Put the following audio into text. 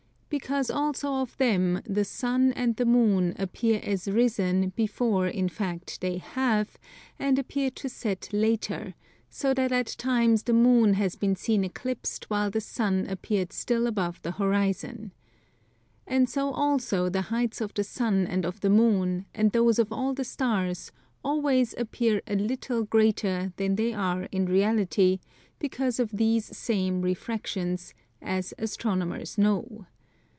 Because also of them the Sun and the Moon appear as risen before in fact they have, and appear to set later: so that at times the Moon has been seen eclipsed while the Sun appeared still above the horizon. And so also the heights of the Sun and of the Moon, and those of all the Stars always appear a little greater than they are in reality, because of these same refractions, as Astronomers know.